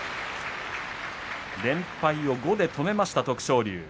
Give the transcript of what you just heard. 連敗を５で止めました徳勝龍。